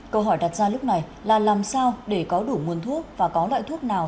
câu hỏi đặt ra lúc này là làm sao để có đủ nguồn thuốc và có loại thuốc nào